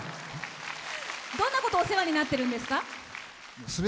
どんなことお世話になってるんですか？